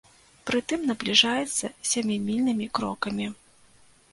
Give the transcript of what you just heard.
Прытым набліжаецца сямімільнымі крокамі.